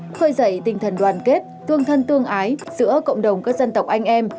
khơi dậy tinh thần đoàn kết tương thân tương ái giữa cộng đồng các dân tộc anh em